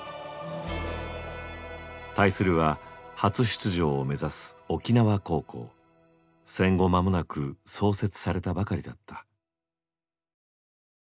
対するは初出場を目指す戦後まもなく創設されたばかりだった。